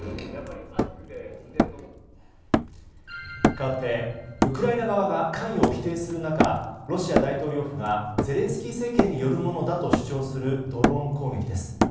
かわって、ウクライナ側が関与を否定する中ロシア大統領府がゼレンスキー政権によるものだと主張するドローン攻撃です。